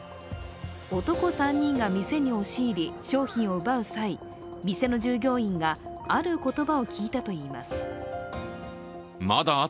男３人が店に押し入り、商品を奪う際、店の従業員が、ある言葉を聞いたといいます。